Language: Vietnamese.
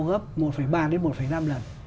gấp một ba đến một năm lần